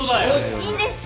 いいんですか？